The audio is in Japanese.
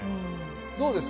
どうですか？